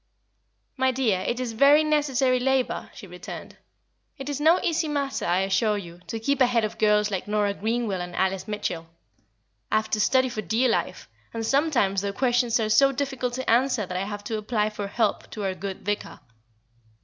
"My dear, it is very necessary labour," she returned. "It is no easy matter, I assure you, to keep ahead of girls like Nora Greenwell and Alice Mitchell. I have to study for dear life, and sometimes their questions are so difficult to answer that I have to apply for help to our good Vicar.